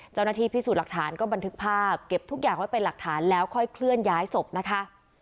เจ้าหน้าที่พิสูจน์หลักฐานก็บันทึกภาพเก็บทุกอย่างไว้เป็นหลักฐานแล้วค่อยเคลื่อนย้ายศพนะคะ